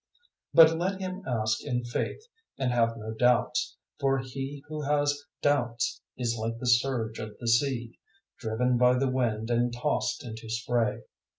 001:006 But let him ask in faith and have no doubts; for he who has doubts is like the surge of the sea, driven by the wind and tossed into spray.